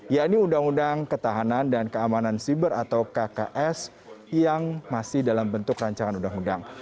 yaitu undang undang ketahanan dan keamanan siber atau kks yang masih dalam bentuk rancangan undang undang